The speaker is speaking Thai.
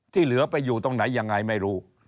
เหลือไปอยู่ตรงไหนยังไงไม่รู้